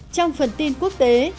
trong phần tin quốc tế